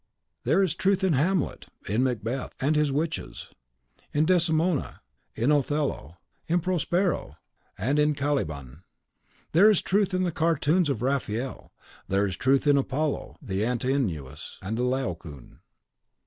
There is truth in Hamlet; in Macbeth, and his witches; in Desdemona; in Othello; in Prospero, and in Caliban; there is truth in the cartoons of Raphael; there is truth in the Apollo, the Antinous, and the Laocoon.